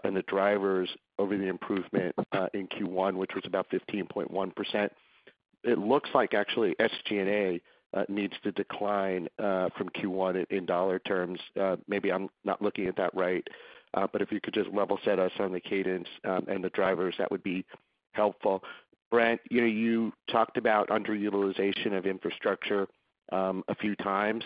and the drivers over the improvement in Q1, which was about 15.1%? It looks like actually SG&A needs to decline from Q1 in dollar terms. Maybe I'm not looking at that right. If you could just level set us on the cadence and the drivers, that would be helpful. Brent, you know, you talked about underutilization of infrastructure a few times.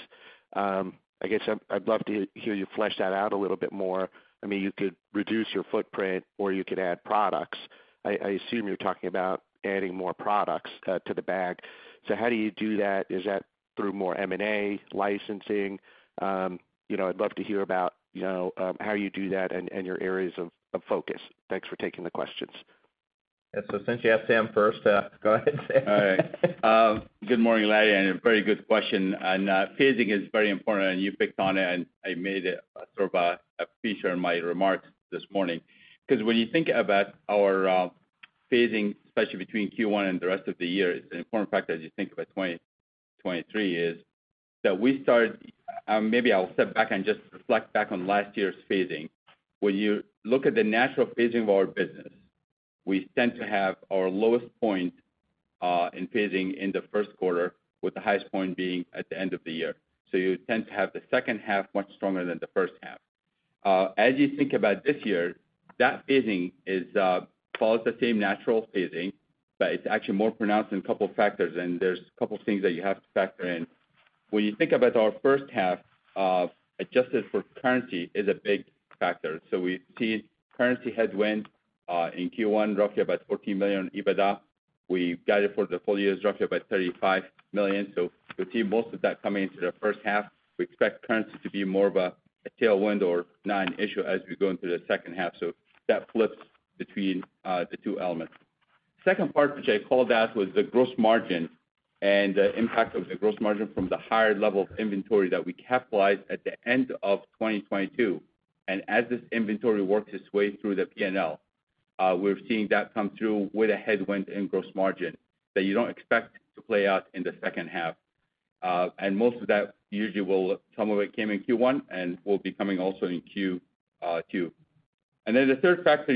I guess I'd love to hear you flesh that out a little bit more. I mean, you could reduce your footprint or you could add products. I assume you're talking about adding more products, to the bag. How do you do that? Is that through more M&A licensing? You know, I'd love to hear about, you know, how you do that and your areas of focus. Thanks for taking the questions. Yeah. Since you asked Sam first, go ahead, Sam. All right. Good morning, Larry, a very good question. Phasing is very important, and you picked on it, and I made it sort of a feature in my remarks this morning. Because when you think about our phasing, especially between Q1 and the rest of the year, it's an important factor as you think about 2023 is that we start. Maybe I'll step back and just reflect back on last year's phasing. When you look at the natural phasing of our business, we tend to have our lowest point in phasing in the first quarter, with the highest point being at the end of the year. You tend to have the H2 much stronger than the H1. As you think about this year, that phasing is, follows the same natural phasing, but it's actually more pronounced in a couple of factors, and there's a couple of things that you have to factor in. When you think about our H1, adjusted for currency is a big factor. We see currency headwind in Q1, roughly about $14 million EBITDA. We guided for the full year is roughly about $35 million. We see most of that coming into the H1. We expect currency to be more of a tailwind or not an issue as we go into the H2. That flips between the two elements. Second part, which I called out, was the gross margin and the impact of the gross margin from the higher level of inventory that we capitalized at the end of 2022. As this inventory works its way through the P&L, we're seeing that come through with a headwind and gross margin that you don't expect to play out in the H2. Most of that usually some of it came in Q1 and will be coming also in Q2. Then the third factor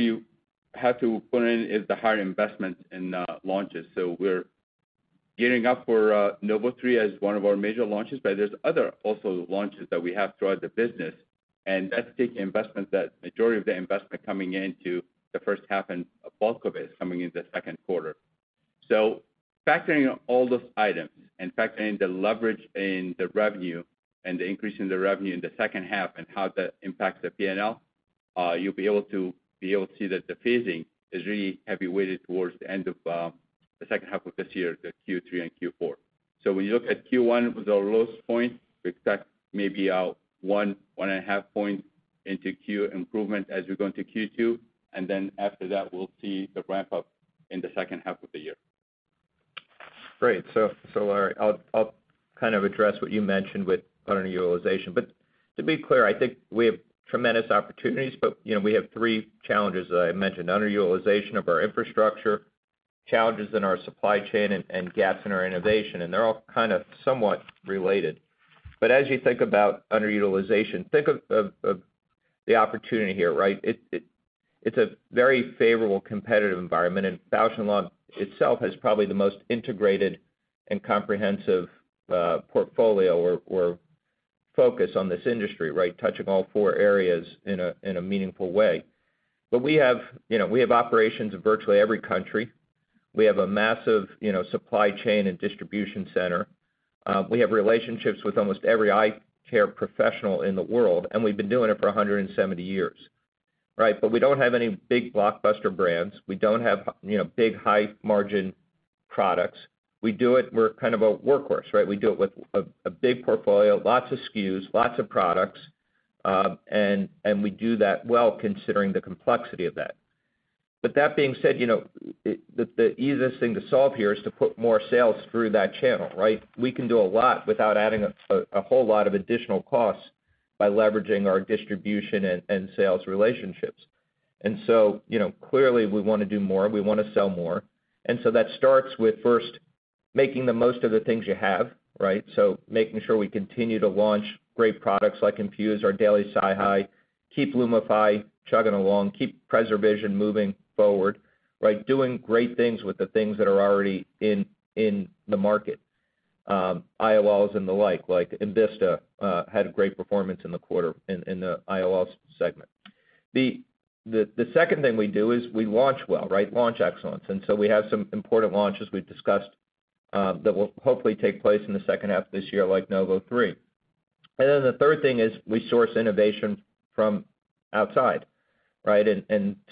you have to put in is the higher investment in launches. We're gearing up for NOV03 as one of our major launches, but there's other also launches that we have throughout the business, and that's taking investments that majority of the investment coming into the H1 and bulk of it is coming in the second quarter. Factoring all those items and factoring the leverage in the revenue and the increase in the revenue in the H2 and how that impacts the P&L, you'll be able to see that the phasing is really heavy weighted towards the end of the H2 of this year, the Q3 and Q4. When you look at Q1 with our lowest point, we expect maybe a 1.5 point into Q improvement as we go into Q2. Then after that, we'll see the ramp-up in the H2 of the year. Great. Larry, I'll kind of address what you mentioned with underutilization. To be clear, I think we have tremendous opportunities, but, you know, we have three challenges that I mentioned, underutilization of our infrastructure, challenges in our supply chain and gaps in our innovation. They're all kind of somewhat related. As you think about underutilization, think of the opportunity here, right? It's a very favorable competitive environment, and Bausch + Lomb itself has probably the most integrated and comprehensive portfolio or focus on this industry, right? Touching all four areas in a, in a meaningful way. We have, you know, we have operations in virtually every country. We have a massive, you know, supply chain and distribution center. We have relationships with almost every eye care professional in the world, and we've been doing it for 170 years, right? We don't have any big blockbuster brands. We don't have, you know, big high margin products. We're kind of a workhorse, right? We do it with a big portfolio, lots of SKUs, lots of products, and we do that well considering the complexity of that. That being said, you know, the easiest thing to solve here is to put more sales through that channel, right? We can do a lot without adding a whole lot of additional costs by leveraging our distribution and sales relationships. Clearly we wanna do more, we wanna sell more. That starts with first making the most of the things you have, right? Making sure we continue to launch great products like INFUSE, our Daily SiHy, keep LUMIFY chugging along, keep PreserVision moving forward, right. Doing great things with the things that are already in the market, IOLs and the like. Like enVista had a great performance in the quarter in the IOLs segment. The second thing we do is we launch well, right. Launch excellence. We have some important launches we've discussed that will hopefully take place in the H2 of this year, like NOV03. The third thing is we source innovation from outside, right.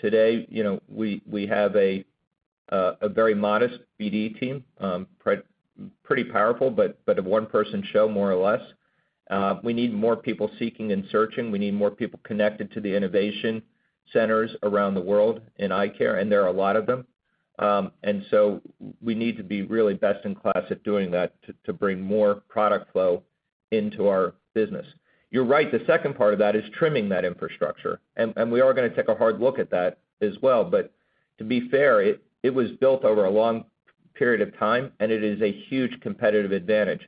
Today, you know, we have a very modest BD team, pre-pretty powerful, but a one-person show more or less. We need more people seeking and searching. We need more people connected to the innovation centers around the world in eye care, and there are a lot of them. We need to be really best in class at doing that to bring more product flow into our business. You're right, the second part of that is trimming that infrastructure, and we are gonna take a hard look at that as well. To be fair, it was built over a long period of time, and it is a huge competitive advantage.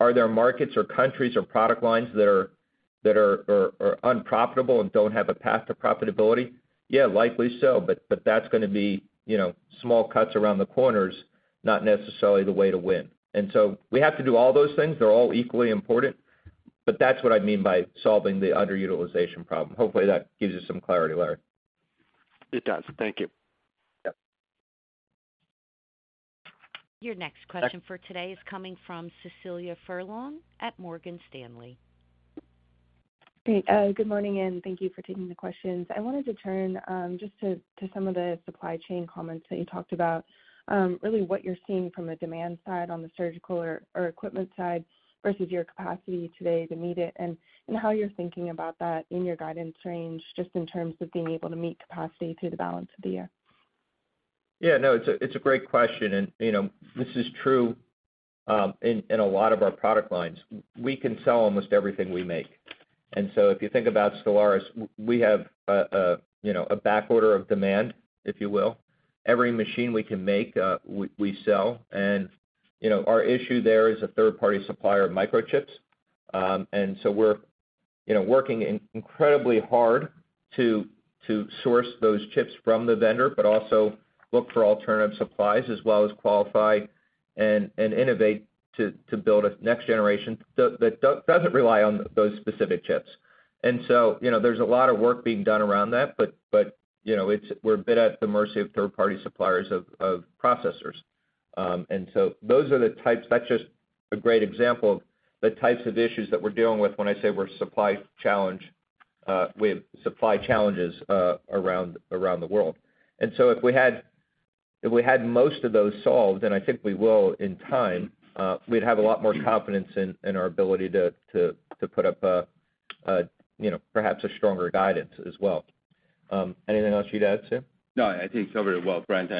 Are there markets or countries or product lines that are unprofitable and don't have a path to profitability? Yeah, likely so. That's gonna be, you know, small cuts around the corners, not necessarily the way to win. We have to do all those things. They're all equally important, but that's what I mean by solving the underutilization problem. Hopefully that gives you some clarity, Larry. It does. Thank you. Yeah. Your next question for today is coming from Cecilia Furlong at Morgan Stanley. Great. Good morning, and thank you for taking the questions. I wanted to turn, just to some of the supply chain comments that you talked about, really what you're seeing from a demand side on the surgical or equipment side versus your capacity today to meet it, and how you're thinking about that in your guidance range, just in terms of being able to meet capacity through the balance of the year. It's a great question. You know, this is true in a lot of our product lines. We can sell almost everything we make. If you think about Stellaris, we have a, you know, a back order of demand, if you will. Every machine we can make, we sell. You know, our issue there is a third-party supplier of microchips. We're, you know, working incredibly hard to source those chips from the vendor, but also look for alternative supplies as well as qualify and innovate to build a next generation that doesn't rely on those specific chips. You know, there's a lot of work being done around that, but, you know, we're a bit at the mercy of third-party suppliers of processors. Those are the types of issues that we're dealing with when I say we're supply challenges around the world. If we had most of those solved, and I think we will in time, we'd have a lot more confidence in our ability to put up a, you know, perhaps a stronger guidance as well. Anything else you'd add, Sam? No, I think it's covered well, Brent.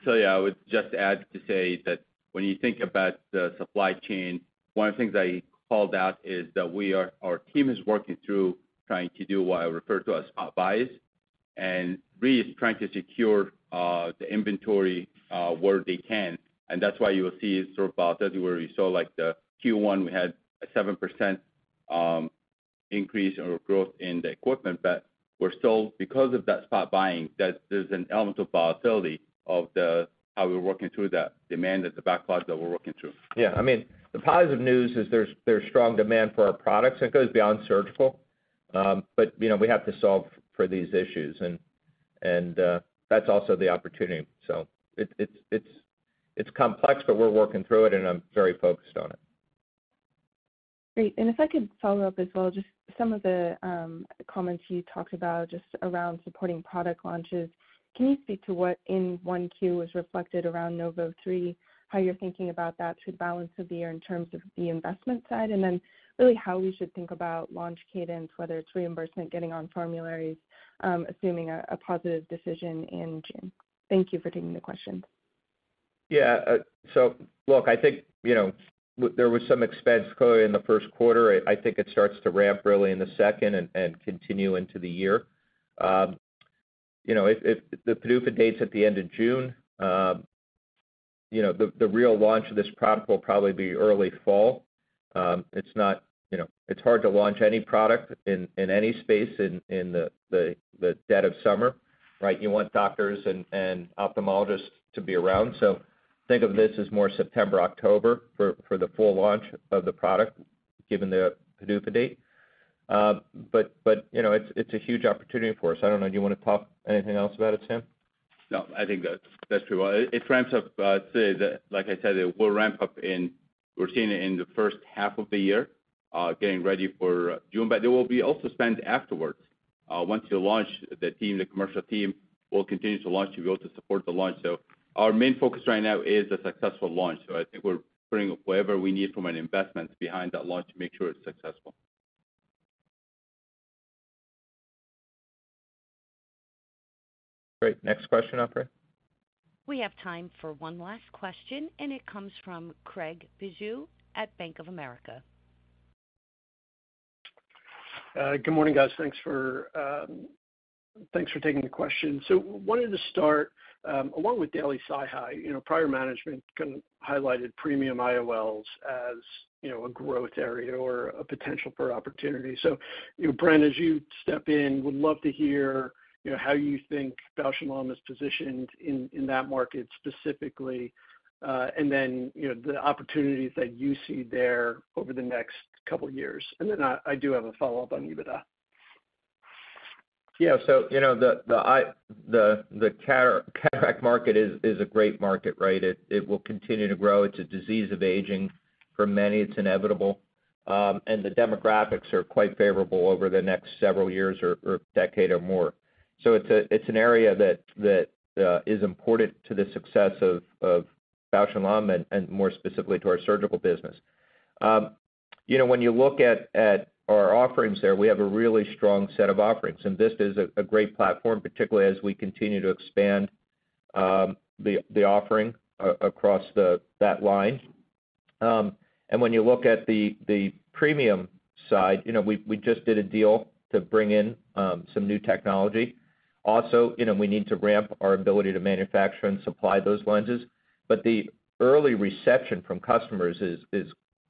Cecilia, I would just add to say that when you think about the supply chain, one of the things I called out is that our team is working through trying to do what I refer to as spot buys and really is trying to secure the inventory where they can. That's why you will see sort of volatility where you saw, like the Q1, we had a 7% increase or growth in the equipment. We're still, because of that spot buying, that there's an element of volatility of how we're working through that demand that the backlogs that we're working through. Yeah. I mean, the positive news is there's strong demand for our products, and it goes beyond surgical. You know, we have to solve for these issues and that's also the opportunity. It's complex, but we're working through it, and I'm very focused on it. Great. If I could follow up as well, just some of the comments you talked about just around supporting product launches. Can you speak to what in 1Q was reflected around NOV03, how you're thinking about that through the balance of the year in terms of the investment side? Then really how we should think about launch cadence, whether it's reimbursement, getting on formularies, assuming a positive decision in June? Thank you for taking the question. Look, I think, you know, there was some expense clearly in the first quarter. I think it starts to ramp really in the second and continue into the year. You know, if the PDUFA dates at the end of June, you know, the real launch of this product will probably be early fall. It's not, you know, it's hard to launch any product in any space in the dead of summer, right? You want doctors and ophthalmologists to be around. Think of this as more September, October for the full launch of the product given the PDUFA date. But, you know, it's a huge opportunity for us. I don't know, do you wanna talk anything else about it, Sam? No, I think that's true. It ramps up, like I said, it will ramp up we're seeing it in the H1 of the year, getting ready for June, but there will be also spend afterwards. Once you launch the team, the commercial team will continue to launch to be able to support the launch. Our main focus right now is a successful launch. I think we're putting whatever we need from an investment behind that launch to make sure it's successful. Great. Next question, operator. We have time for one last question, and it comes from Craig Bijou at Bank of America. Good morning, guys. Thanks for, thanks for taking the question. Wanted to start, along with Daily SiHy, you know, prior management kind of highlighted premium IOLs as, you know, a growth area or a potential for opportunity. You know, Brent, as you step in, would love to hear, you know, how you think Bausch + Lomb is positioned in that market specifically, and then, you know, the opportunities that you see there over the next couple years. Then I do have a follow-up on EBITDA. Yeah. You know, the cataract market is a great market, right? It will continue to grow. It's a disease of aging. For many, it's inevitable. The demographics are quite favorable over the next several years or decade or more. It's an area that is important to the success of Bausch + Lomb and more specifically to our surgical business. You know, when you look at our offerings there, we have a really strong set of offerings, and VISTA is a great platform, particularly as we continue to expand the offering across that line. When you look at the premium side, you know, we just did a deal to bring in some new technology. You know, we need to ramp our ability to manufacture and supply those lenses. The early reception from customers is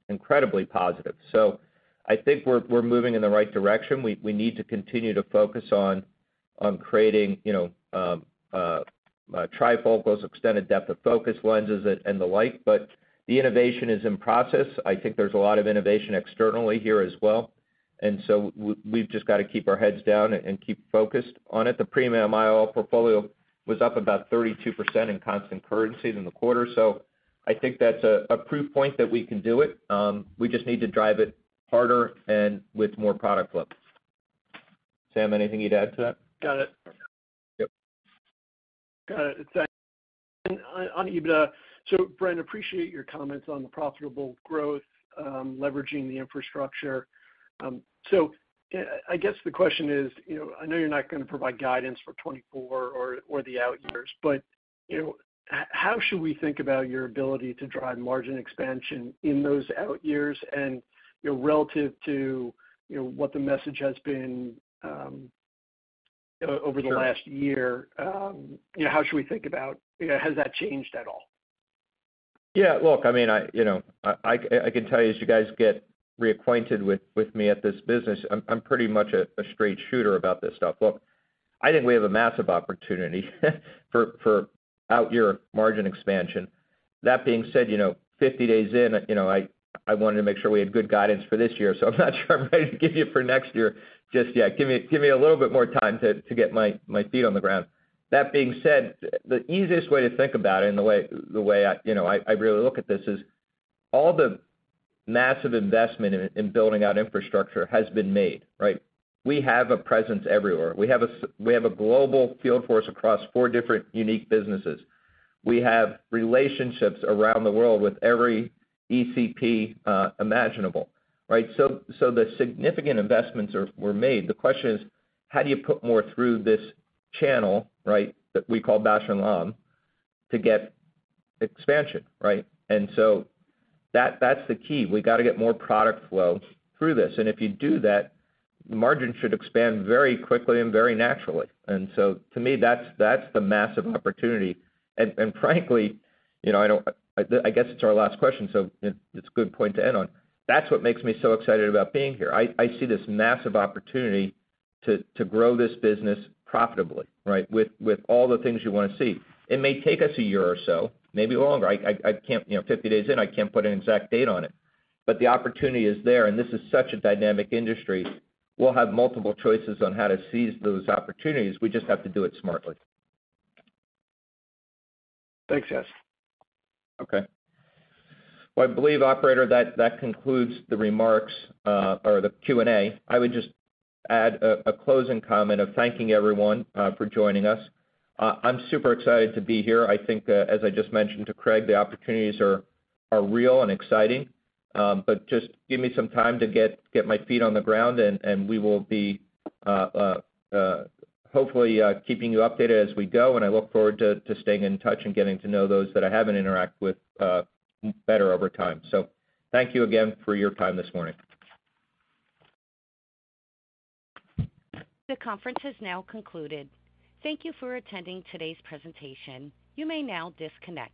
incredibly positive. I think we're moving in the right direction. We need to continue to focus on creating, you know, trifocals, extended depth of focus lenses and the like, but the innovation is in process. I think there's a lot of innovation externally here as well. We've just gotta keep our heads down and keep focused on it. The premium IOL portfolio was up about 32% in constant currencies in the quarter. I think that's a proof point that we can do it. We just need to drive it harder and with more product flow. Sam, anything you'd add to that? Got it. Yep. Got it. Thanks. On EBITDA, Brent, appreciate your comments on the profitable growth, leveraging the infrastructure. I guess the question is, you know, I know you're not gonna provide guidance for 2024 or the out years, but, you know, how should we think about your ability to drive margin expansion in those out years and, you know, relative to, you know, what the message has been over the last year? You know, how should we think about, you know, has that changed at all? Yeah. Look, I mean, I, you know, I can tell you as you guys get reacquainted with me at this business, I'm pretty much a straight shooter about this stuff. Look, I think we have a massive opportunity for out year margin expansion. That being said, you know, 50 days in, you know, I wanted to make sure we had good guidance for this year, so I'm not sure I'm ready to give you for next year just yet. Give me a little bit more time to get my feet on the ground. That being said, the easiest way to think about it and the way I, you know, I really look at this is all the massive investment in building out infrastructure has been made, right? We have a presence everywhere. We have a global field force across four different unique businesses. We have relationships around the world with every ECP imaginable, right? The significant investments were made. The question is: how do you put more through this channel, right, that we call Bausch + Lomb to get expansion, right? That's the key. We gotta get more product flow through this. If you do that, margin should expand very quickly and very naturally. To me, that's the massive opportunity. Frankly, you know, I don't. I guess it's our last question, so it's a good point to end on. That's what makes me so excited about being here. I see this massive opportunity to grow this business profitably, right? With all the things you wanna see. It may take us a year or so, maybe longer. I can't, you know, 50 days in, I can't put an exact date on it. The opportunity is there. This is such a dynamic industry. We'll have multiple choices on how to seize those opportunities. We just have to do it smartly. Thanks, guys. Okay. Well, I believe, operator, that concludes the remarks or the Q&A. I would just add a closing comment of thanking everyone for joining us. I'm super excited to be here. I think as I just mentioned to Craig, the opportunities are real and exciting. But just give me some time to get my feet on the ground, and we will be hopefully keeping you updated as we go, and I look forward to staying in touch and getting to know those that I haven't interacted with better over time. Thank you again for your time this morning. The conference has now concluded. Thank you for attending today's presentation. You may now disconnect.